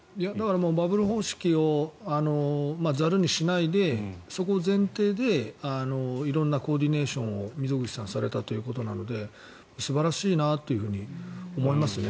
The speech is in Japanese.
バブル方式をざるにしないでそこを前提で色んなコーディネーションを溝口さんがされたということなので素晴らしいなというふうに思いますね。